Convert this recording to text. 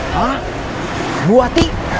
hah bu hati